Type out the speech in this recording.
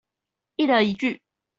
一人一句